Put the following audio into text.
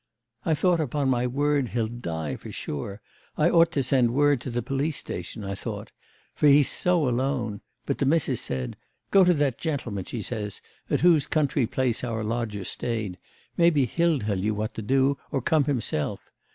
I thought, upon my word, he'll die for sure; I ought to send word to the police station, I thought. For he's so alone; but the missis said: "Go to that gentleman," she says, "at whose country place our lodger stayed; maybe he'll tell you what to do, or come himself."